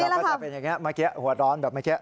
ก็จะเป็นอย่างนี้เมื่อกี้หัวร้อนแบบเมื่อกี้